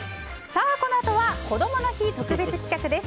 このあとはこどもの日特別企画です。